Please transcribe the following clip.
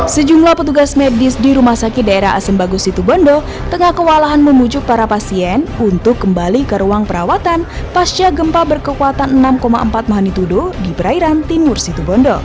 sejumlah petugas medis di rumah sakit daerah asembago situbondo tengah kewalahan memujuk para pasien untuk kembali ke ruang perawatan pasca gempa berkekuatan enam empat magnitudo di perairan timur situbondo